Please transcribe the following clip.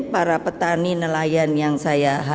para petani nelayan yang saya harapkan